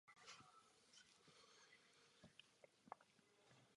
Byl členem představenstva odpovědným za vývoj nových produktů.